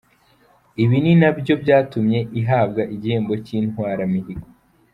Ibi ni na byo byatumye ihabwa igihembo cy’Intwaramihigo.